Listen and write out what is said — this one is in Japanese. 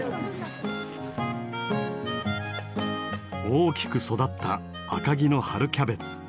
大きく育った赤城の春キャベツ。